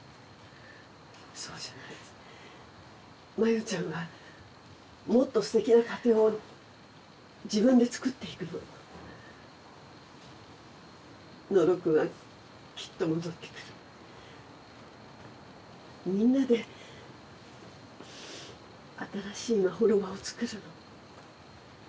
「そうじゃない麻世ちゃんがもっとすてきな家庭を自分でつくっていくの野呂君はきっと戻ってくるみんなで新しいまほろばを作るの」